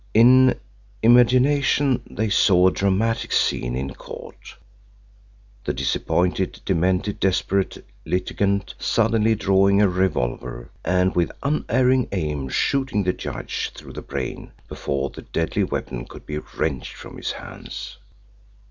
In imagination they saw a dramatic scene in court the disappointed demented desperate litigant suddenly drawing a revolver and with unerring aim shooting the judge through the brain before the deadly weapon could be wrenched from his hands.